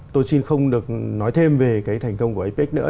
tôi xin không được nói thêm về cái thành công của apec nữa